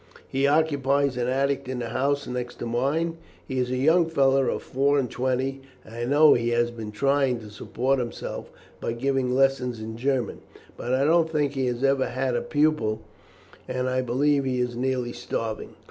He occupies an attic in the house next to mine. He is a young fellow of four and twenty, and I know he has been trying to support himself by giving lessons in German, but I don't think that he has ever had a pupil, and I believe he is nearly starving.